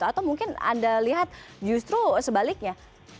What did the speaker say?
atau mungkin anda lihat justru sebaliknya